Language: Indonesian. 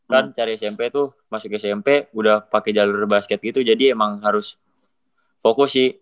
kan cari smp tuh masuk smp udah pakai jalur basket gitu jadi emang harus fokus sih